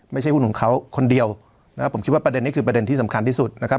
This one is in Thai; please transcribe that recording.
หุ้นของเขาคนเดียวนะครับผมคิดว่าประเด็นนี้คือประเด็นที่สำคัญที่สุดนะครับ